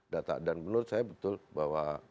data dan menurut saya betul bahwa